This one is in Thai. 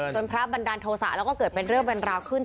พระบันดาลโทษะแล้วก็เกิดเป็นเรื่องเป็นราวขึ้น